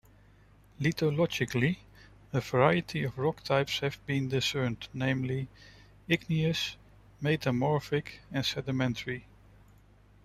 Lithologically, a variety of rock types have been discerned namely, igneous, metamorphic and sedimentary.